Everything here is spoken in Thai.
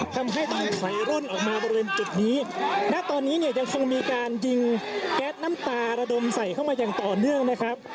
ทำให้มันถอยร่นออกมาบริเวณจุดนี้ณตอนนี้เนี่ยยังคงมีการยิงแก๊สน้ำตาระดมใส่เข้ามาอย่างต่อเนื่องนะครับ